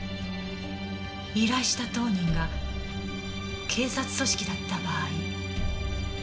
依頼した当人が警察組織だった場合。